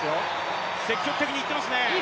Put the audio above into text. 積極的にいっていますね。